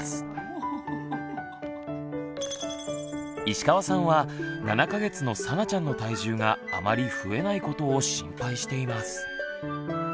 石川さんは７か月のさなちゃんの体重があまり増えないことを心配しています。